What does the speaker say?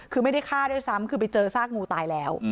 คือไม่ได้ฆ่าด้วยซ้ำคือไปเจอซากงูตายแล้ว